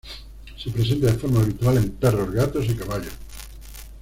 Se presenta de forma habitual en perros, gatos y caballos.